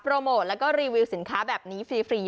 โมทแล้วก็รีวิวสินค้าแบบนี้ฟรี